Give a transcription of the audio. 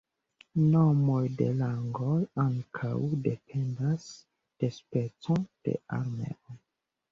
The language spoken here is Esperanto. Nomoj de rangoj ankaŭ dependas de speco de armeo.